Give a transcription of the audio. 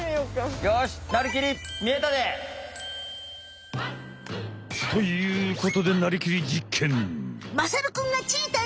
よしということで「なりきり！実験！」。